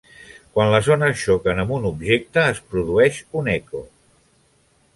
Quan les ones xoquen amb un objecte es produeix un eco.